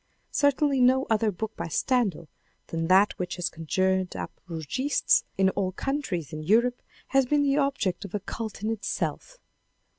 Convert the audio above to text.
Certainly no other book by Stendal than that which has conjured up Rougistes in all countries in Europe has been the object of a cult in itself.